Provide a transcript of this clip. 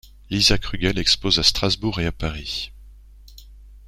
Lisa Krugell expose à Strasbourg et à Paris.